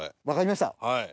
分かりました？